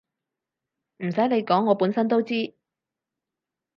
唔使你講我本身都知